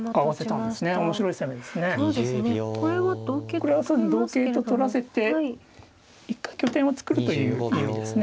これはそうですね同桂と取らせて一回拠点を作るという意味ですね。